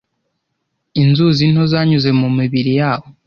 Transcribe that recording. Inzuzi nto zanyuze mu mibiri yabo.